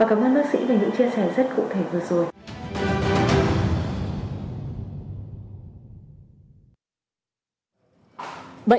và cảm ơn bác sĩ vì những chia sẻ rất cụ thể vừa rồi